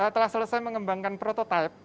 telah selesai mengembangkan prototipe